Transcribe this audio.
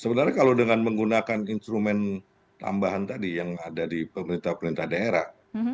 sebenarnya kalau dengan menggunakan instrumen tambahan tadi yang ada di pemerintah pemerintah daerah